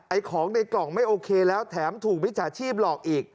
ของในกล่องไม่โอเคแล้วแถมถูกมิจฉาชีพหลอกอีก